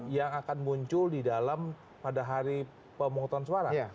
yang akan muncul di dalam pada hari pemungutan suara